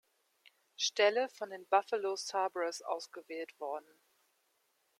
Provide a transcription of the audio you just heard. Stelle von den Buffalo Sabres ausgewählt worden.